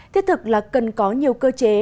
thiết thực là cần có nhiều cơ chế